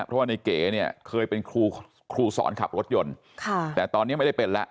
เพราะว่าในเก๋เนี่ยเคยเป็นครูสอนขับรถยนต์ค่ะแต่ตอนนี้ไม่ได้เป็นแล้ว